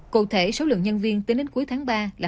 cụ thể số lượng nhân viên tính đến cuối tháng ba là